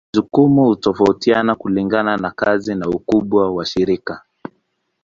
Majukumu hutofautiana kulingana na kazi na ukubwa wa shirika.